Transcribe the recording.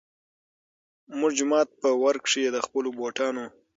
مونږ جومات پۀ ورۀ کښې د خپلو بوټانو